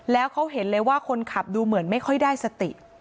แล้วเขาเห็นเลยว่าคนขับดูเหมือนไม่ค่อยได้สติ